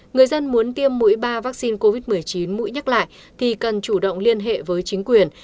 người dân muốn tiêm mũi ba vaccine covid một mươi chín mũi nhắc lại thì cần chủ động liên hệ với chính quyền